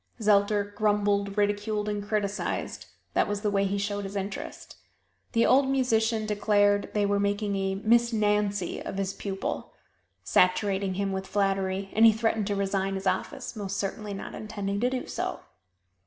Zelter grumbled, ridiculed and criticized that was the way he showed his interest. The old musician declared they were making a "Miss Nancy" of his pupil saturating him with flattery, and he threatened to resign his office most certainly not intending to do so.